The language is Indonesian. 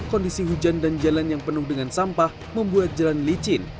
kondisi hujan dan jalan yang penuh dengan sampah membuat jalan licin